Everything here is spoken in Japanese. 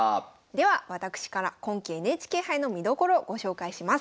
では私から今期ＮＨＫ杯の見どころご紹介します。